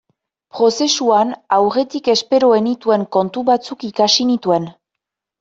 Prozesuan aurretik espero ez nituen kontu batzuk ikasi nituen.